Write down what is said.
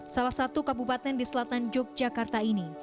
salah satu kabupaten di selatan yogyakarta ini